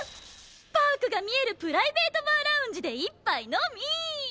パークが見えるプライベートバーラウンジで一杯飲み。